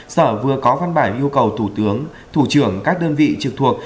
sở vừa có văn bản yêu cầu thủ trưởng các đơn vị trực thuộc